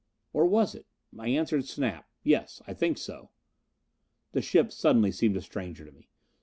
Or was it? I answered Snap, "Yes, I think so." The ship suddenly seemed a stranger to me.